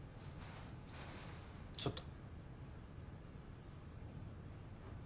ちょっと。